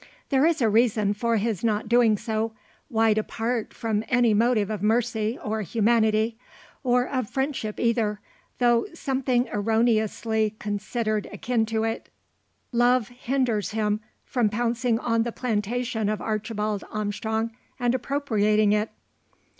There is a reason for his not doing so, wide apart from any motive of mercy, or humanity. Or of friendship either, though something erroneously considered akin to it. Love hinders him from pouncing on the plantation of Archibald Armstrong, and appropriating it!